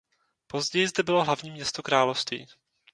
Později zde bylo hlavní město království.